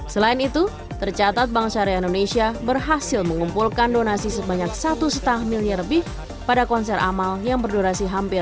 selain itu tercatat bank syariah indonesia berhasil mengumpulkan donasi sebanyak satu lima miliar lebih pada konser amal yang berdurasi hampir